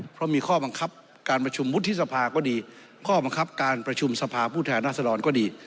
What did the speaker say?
เพราะมีข้อบังคับการประชุมวุฒิสภาก็ดีข้อบังคับการประชุมสภาผู้แทนราษฎรก็ดี